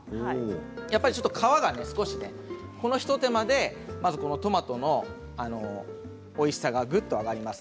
ちょっと皮が少しねこの一手間でトマトのおいしさがぐっと上がります。